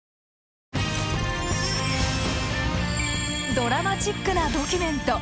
ドラマチックなドキュメント。